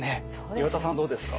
岩田さんはどうですか？